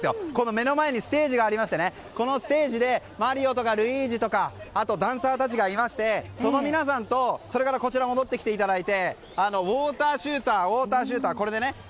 目の前にステージがありましてこのステージでマリオとかルイージとかダンサーたちがいましてその皆さんとウォーターシューターでね。